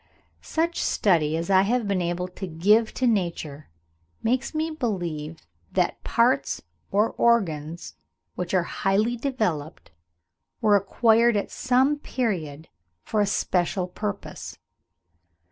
Such study as I have been able to give to nature makes me believe that parts or organs which are highly developed, were acquired at some period for a special purpose.